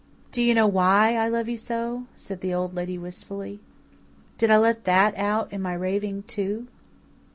"Do you know WHY I love you so?" said the Old Lady wistfully. "Did I let THAT out in my raving, too?"